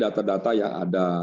data data yang ada